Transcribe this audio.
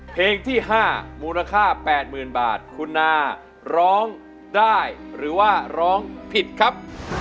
เพลงที่๕มูลค่า๘๐๐๐บาทคุณนาร้องได้หรือว่าร้องผิดครับ